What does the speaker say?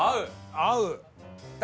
合う。